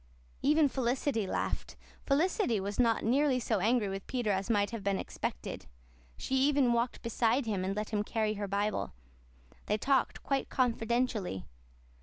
Even Felicity laughed. Felicity was not nearly so angry with Peter as might have been expected. She even walked beside him and let him carry her Bible. They talked quite confidentially.